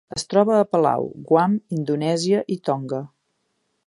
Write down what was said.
Es troba a Palau, Guam, Indonèsia i Tonga.